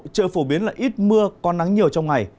trời phổ biến là ít mưa có nắng nhiều trong ngày